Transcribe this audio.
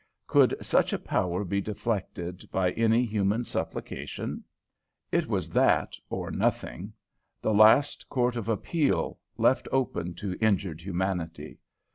Could such a power be deflected by any human supplication? It was that or nothing, the last court of appeal, left open to injured humanity.